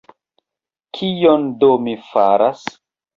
Kion do mi faras?